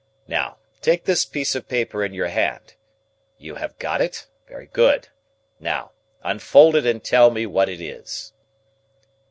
Now, take this piece of paper in your hand. You have got it? Very good. Now, unfold it and tell me what it is."